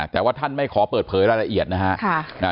แต่ว่าท่านไม่ขอเปิดเผยรายละเอียดนะฮะ